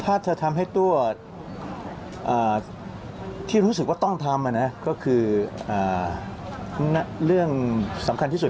ถ้าจะทำให้ตัวที่รู้สึกว่าต้องทำก็คือเรื่องสำคัญที่สุด